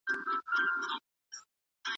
جهانګير ته په جاموکي `